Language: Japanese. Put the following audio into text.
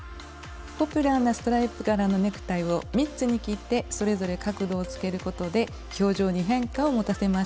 ポピュラーなストライプ柄のネクタイを３つに切ってそれぞれ角度をつけることで表情に変化を持たせました。